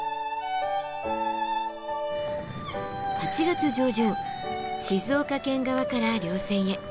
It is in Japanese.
８月上旬静岡県側から稜線へ。